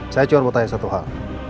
saya coba pengen tanya satu hal